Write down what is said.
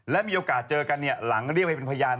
และมีโอกาสเจอกันหลังเรียกไปเป็นพยาน